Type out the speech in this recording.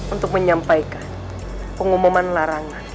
untuk menyampaikan pengumuman larangan